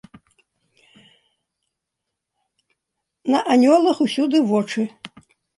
На анёлах усюды вочы.